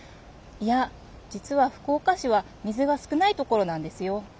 いや実は福岡市は水が少ないところなんですよ。